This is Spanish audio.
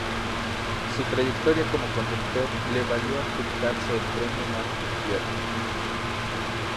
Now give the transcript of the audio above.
Su trayectoria como conductor le valió adjudicarse el Premio Martín Fierro.